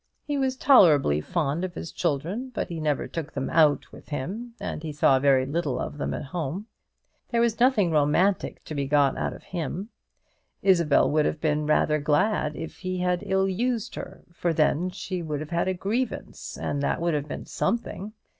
He was tolerably fond of his children; but he never took them out with him, and he saw very little of them at home. There was nothing romantic to be got out of him. Isabel would have been rather glad if he had ill used her; for then she would have had a grievance, and that would have been something.